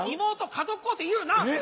家族構成言うな！え？